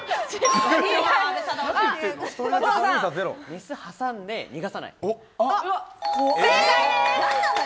メスを挟んで逃がさない。